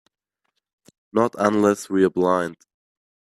Not unless we're blind.